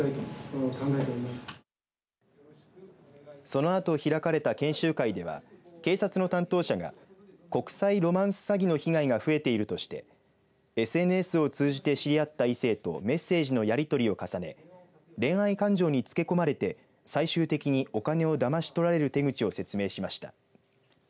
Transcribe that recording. そのあと開かれた研修会では警察の担当者が国際ロマンス詐欺の被害が増えているとしてＳＮＳを通じて知り合った異性とメッセージのやりとりを重ね恋愛感情につけ込まれて最終的にお金をだまし取られる手口を説明しました。